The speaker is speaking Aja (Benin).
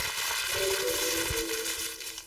Le zodoxu.